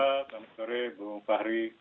selamat sore bang fahri